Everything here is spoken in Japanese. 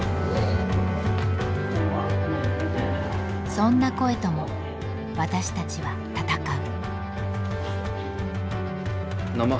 そんな声とも私たちは戦う。